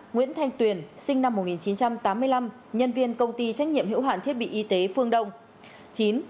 tám nguyễn thanh tuyền sinh năm một nghìn chín trăm tám mươi năm nhân viên công ty trách nhiệm hiệu hạn phát triển khoa học vtec